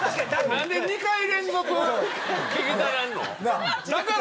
なんで２回連続聞きたなんの？